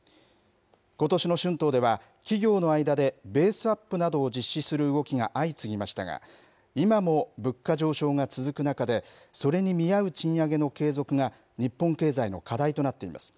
ことしの春闘では、企業の間でベースアップなどを実施する動きが相次ぎましたが、今も物価上昇が続く中で、それに見合う賃上げの継続が日本経済の課題となっています。